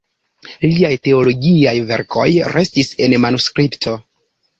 Liaj teologiaj verkoj restis en manuskripto.